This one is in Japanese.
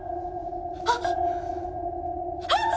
あっ！